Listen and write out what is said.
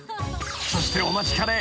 ［そしてお待ちかね。